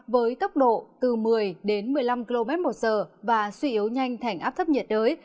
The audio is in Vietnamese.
với tốc độ từ một mươi một mươi năm kmh và suy yếu nhanh thành áp thấp nhiệt đới